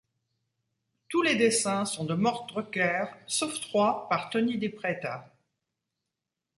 Tous les dessins sont de Mort Drucker sauf trois par Tony DiPreta.